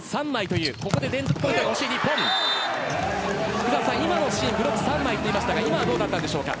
福澤さん、今のシーンブロック３枚でしたが今はどうだったですか？